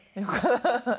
ハハハハ。